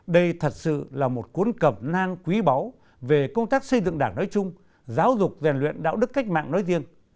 đây thật sự là một cuốn cẩm nang quý báu về công tác xây dựng đảng nói chung giáo dục rèn luyện đạo đức cách mạng nói riêng